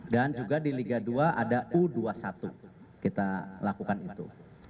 dan juga di liga dua ada u dua puluh satu kita lakukan itu